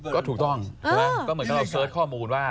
ก็ถูกต้องก็เหมือนกับเราเสิร์ชข้อมูลว่า